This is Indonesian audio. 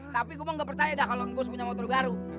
tapi gue mau gak percaya dah kalo ngoes punya motor baru